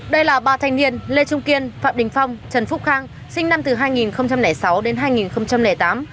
đây là ba thanh niên lê trung kiên phạm đình phong trần phúc khang sinh năm hai nghìn sáu đến hai nghìn tám